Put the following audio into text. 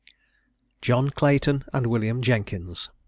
JOHN CLAYTON AND WILLIAM JENKINS.